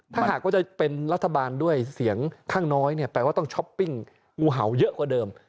ถ้าหากว่าจะเป็นรัฐบาลด้วยเสียงข้างน้อยเนี่ยแปลว่าต้องช้อปปิ้งงูเห่าเยอะกว่าเดิม